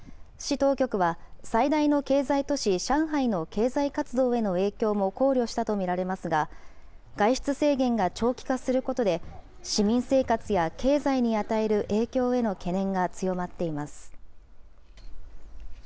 市当局は、最大の経済都市、上海の経済活動への影響も考慮したと見られますが、外出制限が長期化することで、市民生活や経済に与える影響への懸念が強まっています。